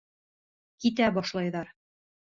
Китә башлайҙар.